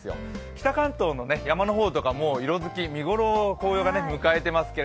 北関東の山の方とかも、色づき、紅葉の見頃を迎えていますね。